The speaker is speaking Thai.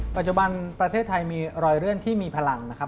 ปัจจุบันประเทศไทยมีรอยเลื่อนที่มีพลังนะครับ